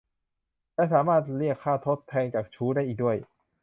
และสามารถเรียกค่าทดแทนจากชู้ได้อีกด้วย